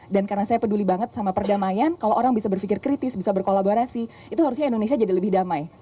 dan karena saya peduli banget sama perdamaian kalau orang bisa berpikir kritis bisa berkolaborasi itu harusnya indonesia jadi lebih damai